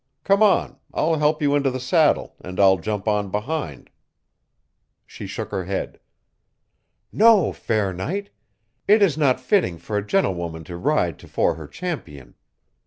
"Come on, I'll help you into the saddle and I'll jump on behind." She shook her head. "No, fair knight, it is not fitting for a gentlewoman to ride tofore her champion.